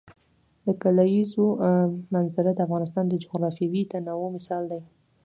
د کلیزو منظره د افغانستان د جغرافیوي تنوع مثال دی.